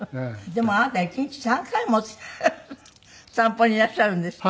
でもあなた１日３回も散歩にいらっしゃるんですって？